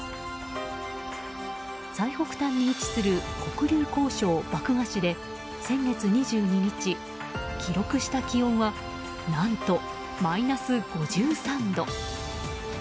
最北端に位置する黒竜江省漠河市で先月２２日記録した気温は何とマイナス５３度。